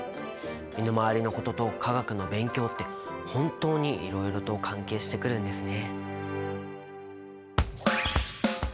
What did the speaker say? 身の回りのことと化学の勉強って本当にいろいろと関係してくるんですね。